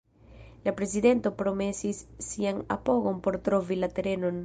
La prezidento promesis sian apogon por trovi la terenon.